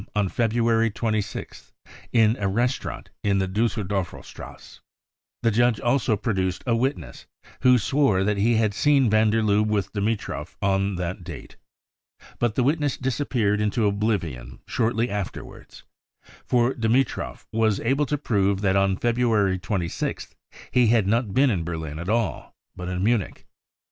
on February 26th in a restaurant in the Dusseldorferstrasse. The judge also produced a witness, who swore that he had seen van der Lubbe with Dimitrov on that date. But the witness disappeared into oblivion shortly afterwards : for Dimitrov was able to prove that on February 26th he had not been in Berlin at all, but in Munich.